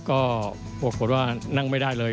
ก็ปรากฏว่านั่งไม่ได้เลย